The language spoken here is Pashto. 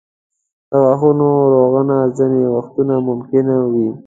د غاښونو رغونه ځینې وختونه ممکنه نه وي.